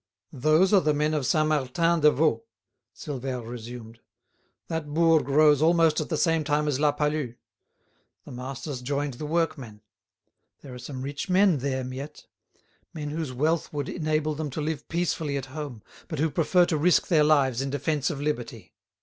"Those are the men of Saint Martin de Vaulx," Silvère resumed. "That bourg rose almost at the same time as La Palud. The masters joined the workmen. There are some rich men there, Miette; men whose wealth would enable them to live peacefully at home, but who prefer to risk their lives in defence of liberty.